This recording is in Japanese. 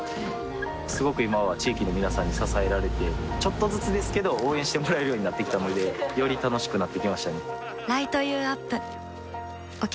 すごく今は地域の皆さんに支えられてちょっとずつですけど応援してもらえるようになってきたのでより楽しくなってきましたね